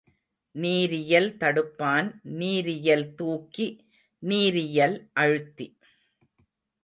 நீரியல் தடுப்பான், நீரியல் தூக்கி, நீரியல் அழுத்தி.